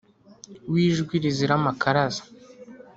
w’ijwi rizira amakaraza